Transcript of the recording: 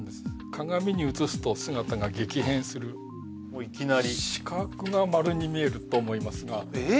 鏡に映すと姿が激変するもういきなり四角が丸に見えると思いますがええ！？